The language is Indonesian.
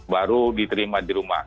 baru diterima di rumah